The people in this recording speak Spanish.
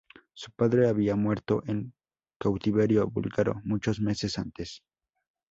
Su padre había muerto en cautiverio búlgaro muchos meses antes.